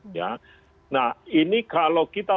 nah ini kalau kita